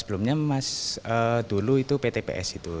sebelumnya mas dulu itu ptps itu